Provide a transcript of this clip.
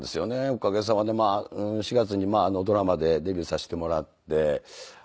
おかげさまで４月にドラマでデビューさせてもらって。